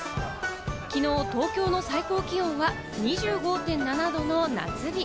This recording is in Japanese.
昨日、東京の最高気温は２５．７度の夏日。